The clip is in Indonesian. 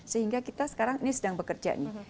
sehingga kita sekarang ini sedang bekerja nih